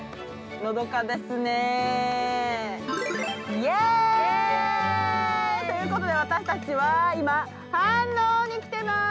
◆イエイ！ということで私たちは今、飯能に来てます！